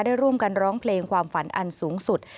ได้ร่วมกันร้องเพลงความฝันอันสูงสุด